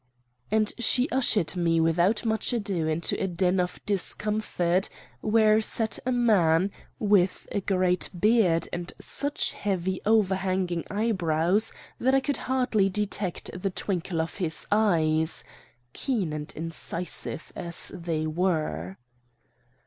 and she ushered me without much ado into a den of discomfort where sat a man, with a great beard and such heavy overhanging eyebrows that I could hardly detect the twinkle of his eyes, keen and incisive as they were.